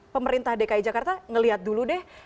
pemerintah dki jakarta ngelihat dulu deh